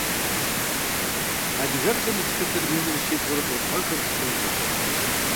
Адыгэбзэм и тхыдэр минрэ щибгъурэ тӏощӏ гъэхэм къыщожьэ.